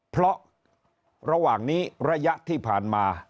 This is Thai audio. เพราะระหว่างนี้ระยะที่ผ่านมา